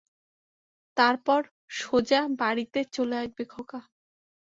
তারপর সোজা বাড়িতে চলে আসবি খোকা।